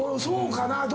そうかな？